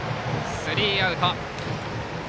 スリーアウト。